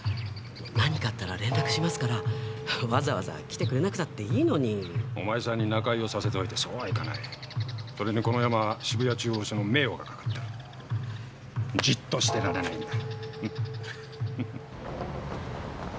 何かあったら連絡しますからわざわざ来てくれなくたっていいのにお前さんに仲居をさせておいてそうはいかないそれにこのヤマは渋谷中央署の名誉がかかってるじっとしてられないんだ・